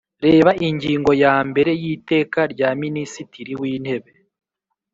reba ingingo ya mbere y’ iteka rya minisitiri w’intebe